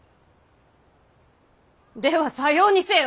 ではさようにせよ。